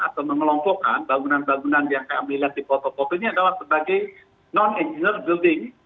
atau mengelompokkan bangunan bangunan yang kami lihat di foto foto ini adalah sebagai non engineer building